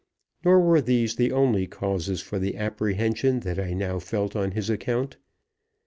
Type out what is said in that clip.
Nor were these the only causes for the apprehension that I now felt on his account.